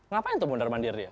ngapain tumbuh mundar mandir dia